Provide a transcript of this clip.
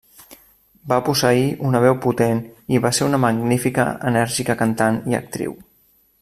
Va posseir una veu potent i va ser una magnífica i enèrgica cantant i actriu.